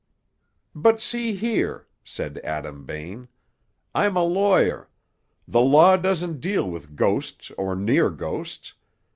"But, see here," said Adam Bain, "I'm a lawyer. The law doesn't deal with ghosts or near ghosts.